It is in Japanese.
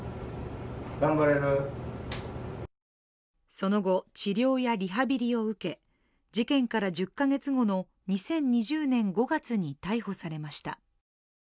その後、治療やリハビリを受け事件から１０か月後の２０２０年５月に逮捕されました。